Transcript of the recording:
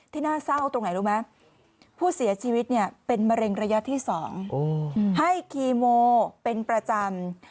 น่าเศร้าตรงไหนรู้ไหมผู้เสียชีวิตเนี่ยเป็นมะเร็งระยะที่๒ให้คีโมเป็นประจำ